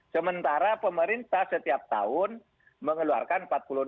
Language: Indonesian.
sementara pemerintah setiap tahun mengeluarkan empat puluh enam